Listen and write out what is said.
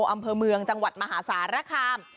อำเภอเมืองจังหวัดมหาสารคาม